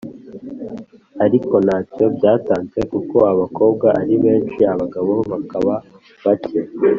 ariko ntacyo byatanze kuko abakobwa ari benshi abagabo bakaba bake.